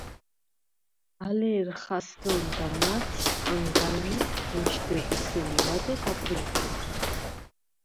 ალე ერ ხასჷ̄ნდა მარტს, ანჷ̄გან ი ენშდებე სემი ლადეღ აპრილხენქა.